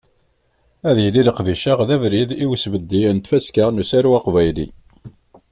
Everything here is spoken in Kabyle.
Ad yili leqdic-a d abrid i usbeddi n Tfaska n usaru aqbayli.